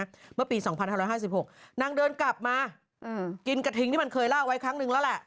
ภายในเหนือก็ปี๒๔๕๖นังเดินกลับมากินกะทิงที่มันเคยล่าไว้ครั้งนึงแล้วล่ะ